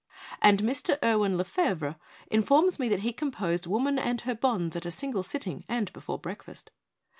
And Mr. Edwin Le fevre informs me that he composed t Woman and Her Bonds' at a single sitting and before break fast.